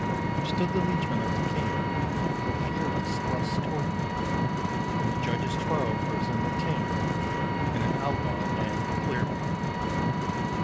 Up stood the liege man of the King, With a furious thrust toward me; And the Judges twelve rose in the Ting, And an outlaw'd man declared me.